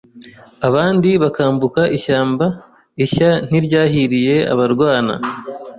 Abandi bakambuka ishyamba Ishya ntiryahiriye abarwana